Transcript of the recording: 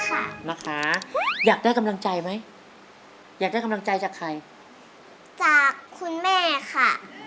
ค่ะนะคะอยากได้กำลังใจไหมอยากได้กำลังใจจากใครจากคุณแม่ค่ะ